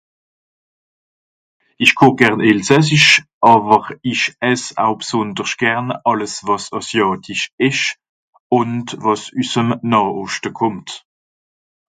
Ìch koch gern elsässisch, àwer ich ess au bsondersch gern àlles wàr àsiàtisch ìsch ùnd wàs üs'm Nàh-Oschte kùmmt.